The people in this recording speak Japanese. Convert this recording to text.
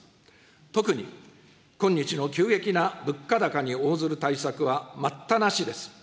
特に、今日の急激な物価高に応ずる対策は待ったなしです。